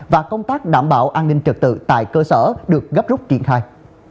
và công tác đảm bảo an ninh trật tự tại cơ sở được gấp rút triển khai